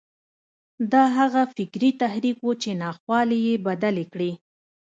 دا هغه فکري تحرک و چې ناخوالې یې بدلې کړې